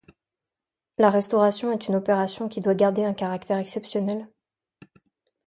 La restauration est une opération qui doit garder un caractère exceptionnel.